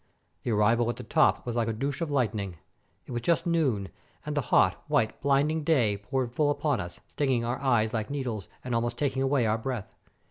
The arrival at the top was like a douche of lightning. It was just noon, and the hot, white, blinding day poured full upon us, stinging our eyes like needles, and almost taking away our breath.